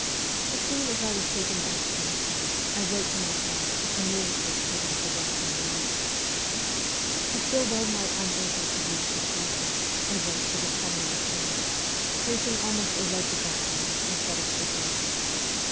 As soon as I was taken back to my cell I wrote to my friends to communicate to them the welcome news. 'I feel w r ell nigh unable to use the cipher,' I wrote with a tremulous hand, tracing almost illegible signs instead of figures.